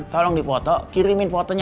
tolong dipoto kirimin fotonya ke hpw ya